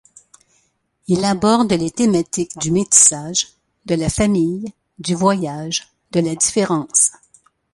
Il aborde les thématiques du métissage, de la famille, du voyage, de la différence.